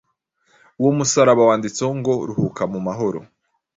Uwo musaraba wanditseho ngo ruhuka mumahoro